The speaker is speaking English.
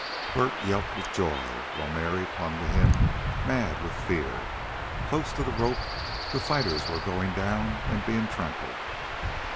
Bert yelped with joy, while Mary clung to him, mad with fear. Close to the rope the fighters were going down and being trampled.